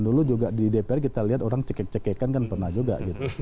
dulu juga di dpr kita lihat orang cekek cekekan kan pernah juga gitu